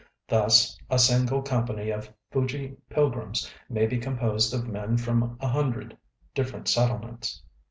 Thus a single company of Fuji pilgrims may be composed of men from a hundred different settlements.